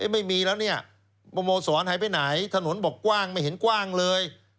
ไม่มีแล้วเนี่ยโมสรหายไปไหนถนนบอกกว้างไม่เห็นกว้างเลย